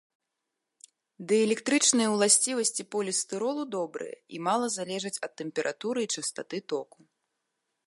Дыэлектрычныя ўласцівасці полістыролу добрыя і мала залежаць ад тэмпературы і частаты току.